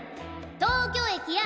東京駅や！